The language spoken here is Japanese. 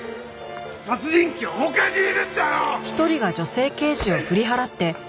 殺人鬼は他にいるんだよ！